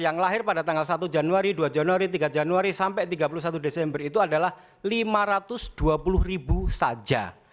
yang lahir pada tanggal satu januari dua januari tiga januari sampai tiga puluh satu desember itu adalah lima ratus dua puluh ribu saja